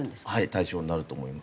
対象になると思います。